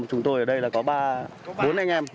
chúng tôi ở đây là có ba bốn anh em